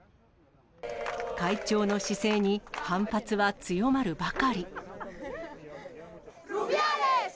会長の姿勢に、反発は強まるばかり。